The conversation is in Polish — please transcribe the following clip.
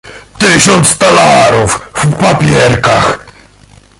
"Tysiąc talarów w papierkach!"